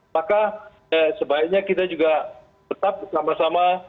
maka sebaiknya kita juga tetap bersama sama